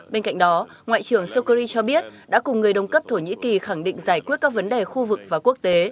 bên cạnh đó ngoại trưởng sokri cho biết đã cùng người đồng cấp thổ nhĩ kỳ khẳng định giải quyết các vấn đề khu vực và quốc tế